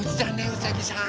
うさぎさん。